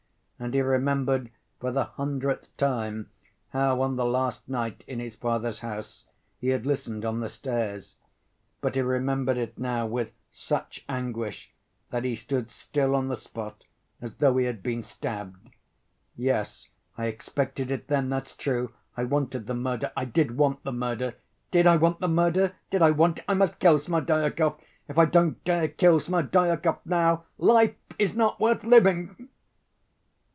And he remembered for the hundredth time how, on the last night in his father's house, he had listened on the stairs. But he remembered it now with such anguish that he stood still on the spot as though he had been stabbed. "Yes, I expected it then, that's true! I wanted the murder, I did want the murder! Did I want the murder? Did I want it? I must kill Smerdyakov! If I don't dare kill Smerdyakov now, life is not worth living!"